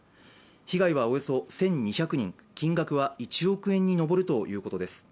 被害はおよそ１２００人、金額は１億円に上るとのことです。